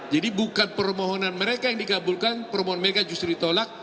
jadi bukan permohonan mereka yang digabulkan permohonan mereka justru ditolak